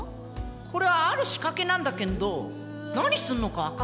これはある仕掛けなんだけんど何するのか分かっか？